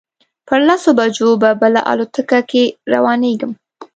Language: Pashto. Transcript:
پر لسو بجو به بله الوتکه کې روانېږم.